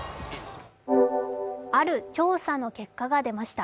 ある調査の結果が出ました。